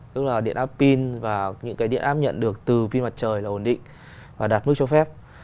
tức là điện apin và những cái điện áp nhận được từ pin mặt trời là ổn định và đạt mức cho phép